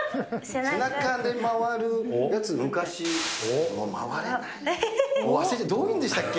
背中で回るやつ、昔、回らない、忘れちゃった、どうやるんでしたっけ？